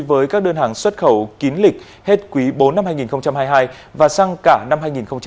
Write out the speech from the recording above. với các đơn hàng xuất khẩu kín lịch hết quý bốn năm hai nghìn hai mươi hai và sang cả năm hai nghìn hai mươi ba